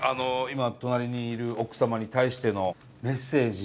今隣にいる奥様に対してのメッセージ。